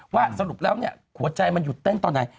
สรุปแล้วหัวใจมันหยุดเต้นตอนไหน